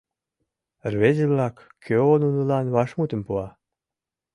— Рвезе-влак, кӧ нунылан вашмутым пуа?